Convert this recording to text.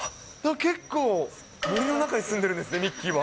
結構、森の中に住んでるんですね、ミッキーは。